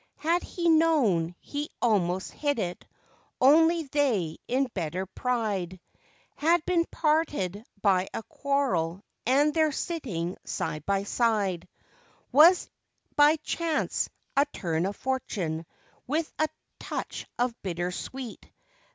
Had he known, he almost hit it; only they in bitter pride Had been parted by a quarrel and their sitting side by side Was by chance, a turn of fortune, with a touch of bitter sweet.